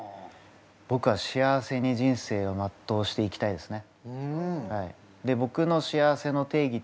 僕は幸せに人生をまっとうしていきたいですね。